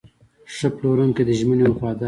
ښه پلورونکی د ژمنې وفادار وي.